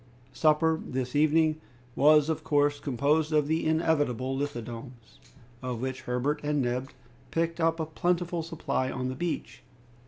Supper, this evening, was of course composed of the inevitable lithodomes, of which Herbert and Neb picked up a plentiful supply on the beach.